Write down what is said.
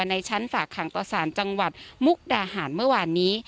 ในชั้นฝากขังต่อสารจังหวัดมุกดาหารเมื่อวานนี้